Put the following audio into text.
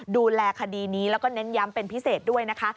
ดูแลคดีนี้แล้วก็เน้นย้ำเป็นพิเศษด้วยนะคะ